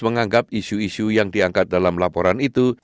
menganggap isu isu yang diangkat dalam laporan itu